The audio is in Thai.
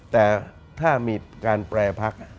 แต่ถ้ามีการแปรพัก